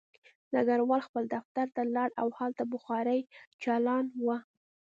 ډګروال خپل دفتر ته لاړ او هلته بخاري چالان وه